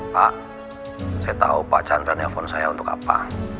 pak saya tahu pak chandra nelfon saya untuk apa